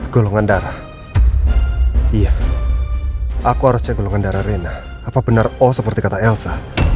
golongan darah iya aku harus cek golongan darah rendah apa benar oh seperti kata elsa